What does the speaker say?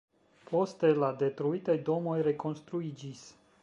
Poste la detruitaj domoj rekonstruiĝis.